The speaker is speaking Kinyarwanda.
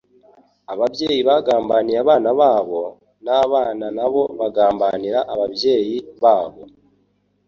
Ababyeyi bagambaniye abana babo, n'abana nabo bagambanira abayeyi ba bo.